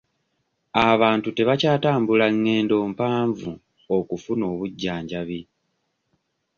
Abantu tebakyatambula ngendo mpanvu okufuna obujjanjabi.